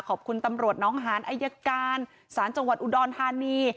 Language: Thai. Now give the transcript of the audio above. ขอบคุณตำรวจน้องหานอายการศาลจังหวัดอุดรธานี